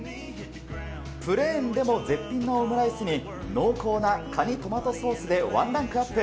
プレーンでも絶品のオムライスに、濃厚なカニトマトソースでワンランクアップ。